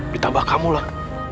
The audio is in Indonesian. ditambah kamu lah